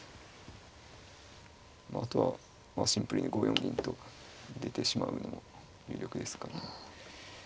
まああとはシンプルに５四銀と出てしまうのも有力ですかね。